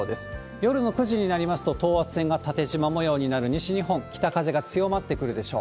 夜の９時になりますと、等圧線が縦じま模様になる西日本、北風が強まってくるでしょう。